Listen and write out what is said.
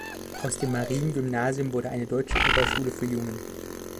Aus dem Marien-Gymnasium wurde eine „Deutsche Oberschule für Jungen“.